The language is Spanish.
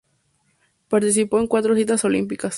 Participó en cuatro citas olímpicas.